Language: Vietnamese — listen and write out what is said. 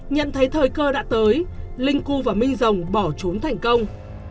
nhận thấy thời cơ đã tới linh cu và minh rồng bỏ trốn thành công